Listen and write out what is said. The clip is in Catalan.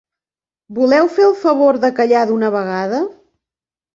Voleu fer el favor de callar d'una vegada?